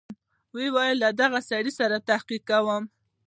ويې ويل له دغه سړي تحقيق کوم.